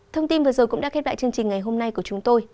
thông tin vừa rồi cũng đã khép lại chương trình ngày hôm nay của chúng tôi